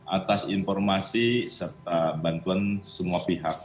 atas informasi serta bantuan semua pihak